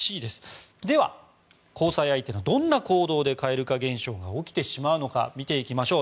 では交際相手のどんな行動で蛙化現象が起きてしまうのか見ていきましょう。